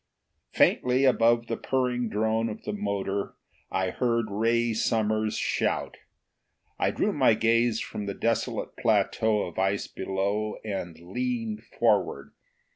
Faintly, above the purring drone of the motor, I heard Ray Summers' shout. I drew my gaze from the desolate plateau of ice below and leaned forward.